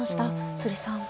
辻さん。